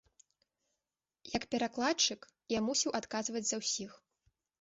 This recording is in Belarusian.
Як перакладчык, я мусіў адказваць за ўсіх.